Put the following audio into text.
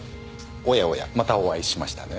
おやおやまたお会いしましたね。